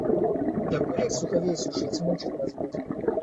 Дакуль, як сухавей, сушыць і мучыць нас будзе?